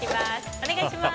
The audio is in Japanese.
お願いします。